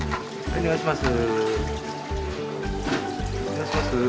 お願いします。